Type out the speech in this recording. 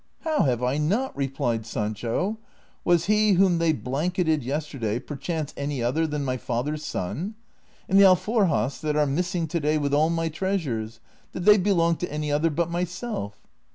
" How have I not ?" replied Sancho ;*< was he whom they blanketed yesterday perchance any other than my father's son ? and the alforjas that are missing to day with all my treasures, did they belong to any other but myself?"